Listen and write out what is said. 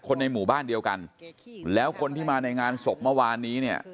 ในหมู่บ้านเดียวกันแล้วคนที่มาในงานศพเมื่อวานนี้เนี่ย